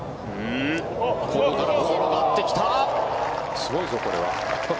すごいぞ、これは。